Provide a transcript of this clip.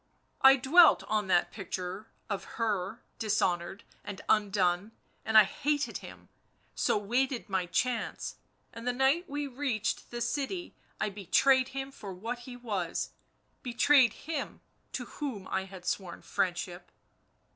I dwelt on that picture of — her — dishonoured and undone, and I hated him, so waited my chance, and the night we reached the city I betrayed him for what he was, betrayed him to whom I had sworn friendship